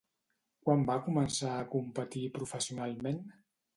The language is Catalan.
Quan va començar a competir professionalment?